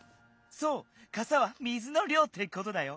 そうかさは水のりょうってことだよ。